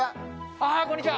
ああこんにちは！